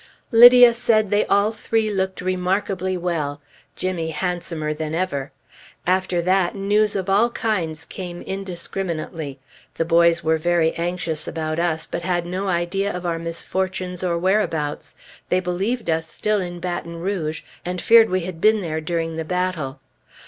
Lydia said they all three looked remarkably well; Jimmy handsomer than ever. After that, news of all kinds came indiscriminately. The boys were very anxious about us, but had no idea of our misfortunes or whereabouts. They believed us still in Baton Rouge, and feared we had been there during the battle.